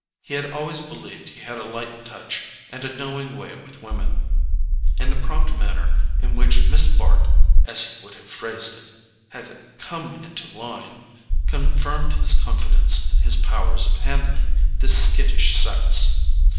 He had always believed he had a light touch and a knowing way with women, and the prompt manner in which Miss Bart (as he would have phrased it) had "come into line," confirmed his confidence in his powers of handling this skittish sex.